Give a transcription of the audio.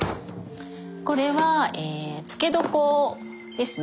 これは漬け床ですね。